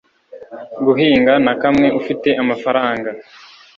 guhinga na kamwe ufite amafaranga